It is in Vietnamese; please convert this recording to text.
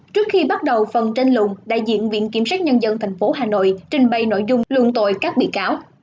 trước khi bắt đầu phần tranh lùng đại diện viện kiểm sát nhân dân thành phố hà nội trình bày nội dung luận tội các bị cáo